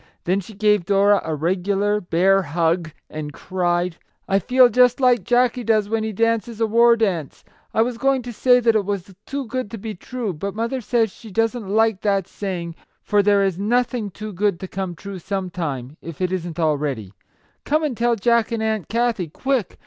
Then she gave Dora a regular <c bear hug," and cried :" I feel just like Jackie does when he dances a war dance ! I was going to say that it was too good to be true, but mother says she doesn't like that saying, for there is nothing Our Little Canadian Cousin 129 too good to come true sometime, if it isn't already. Come and tell Jack and Aunt Kathie, quick